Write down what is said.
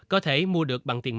có thể mua được bằng tiền